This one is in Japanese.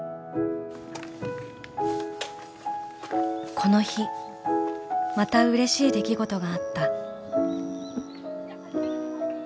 「この日また嬉しい出来事があった」。